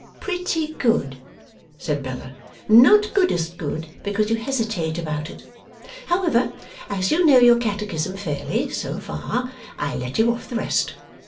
'Pretty good!' said Bella. 'Not goodest good, because you hesitate about it. However, as you know your Catechism fairly, so far, I'll let you off the rest.